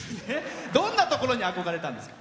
どんなところに憧れたんですか？